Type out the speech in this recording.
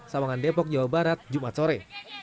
sawangan depok jawa barat jumat sore